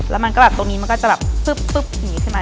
แล้วมันก็แบบตรงนี้มันก็จะแบบฟึ๊บอย่างนี้ขึ้นมา